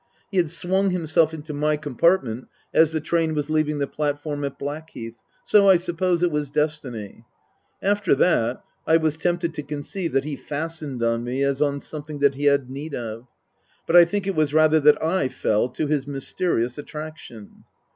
He had swung himself into my com partment as the train was leaving the platform at Black heath ; so I suppose it was destiny. After that I was tempted to conceive that he fastened on me as on something that he had need of ; but I think it was rather that I fell to his mysterious attraction.